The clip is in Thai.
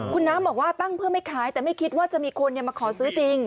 คุณน้ำบอกว่าตั้งเพื่อไม่ขายแต่ไม่คิดว่าจะมีคนมาขอซื้อจริง